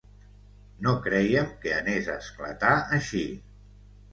No crèiem que anés a esclatar així.